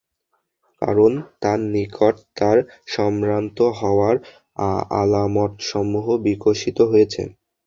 কারণ তার নিকট তার সম্রান্ত হওয়ার আলামতসমূহ বিকশিত হয়েছে।